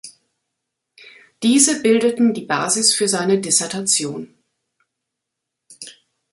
Diese bildeten die Basis für seine Dissertation.